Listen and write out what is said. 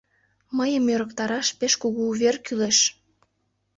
Мыйым ӧрыктараш пеш кугу увер кӱлеш!